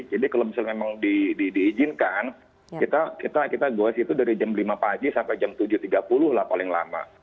jadi kalau misalnya memang diizinkan kita go es itu dari jam lima pagi sampai jam tujuh tiga puluh lah paling lama